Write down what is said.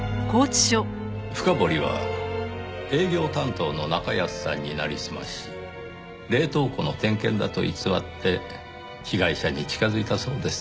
深堀は営業担当の中安さんになりすまし冷凍庫の点検だと偽って被害者に近づいたそうです。